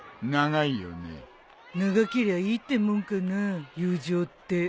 長けりゃいいってもんかなぁ友情って。